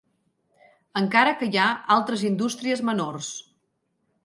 Encara que hi ha altres indústries menors.